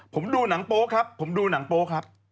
ผมดูหนังโป๊ครับผมดูหนังโป๊ครับ